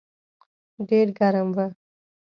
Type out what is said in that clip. ډېر ګرم و.